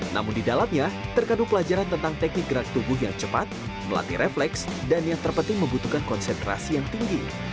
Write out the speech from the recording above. namun di dalamnya terkandung pelajaran tentang teknik gerak tubuh yang cepat melatih refleks dan yang terpenting membutuhkan konsentrasi yang tinggi